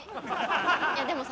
いやでもさ